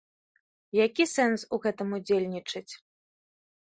Які сэнс у гэтым удзельнічаць?